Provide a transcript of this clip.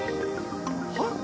はっ？